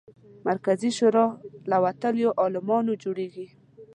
مرکزي شورا له وتلیو عالمانو جوړېږي.